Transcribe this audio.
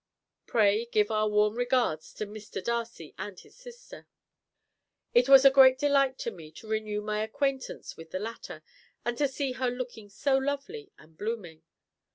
Pray give our warm regards to Mr. Darcy and his sister. It was a great delight to me to renew my acquaintance with the latter, and to see her looking so lovely and blooming.